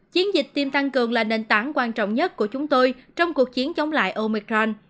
chiến dịch tiêm tăng cường là nền tảng quan trọng nhất của chúng tôi trong cuộc chiến chống lại omicron